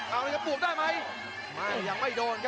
เอาเลยกับปวบได้ไหม